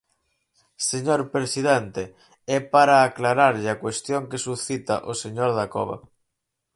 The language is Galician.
Señor presidente, é para aclararlle a cuestión que suscita o señor Dacova.